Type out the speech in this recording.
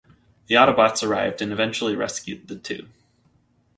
The Autobots arrived and eventually rescued the two.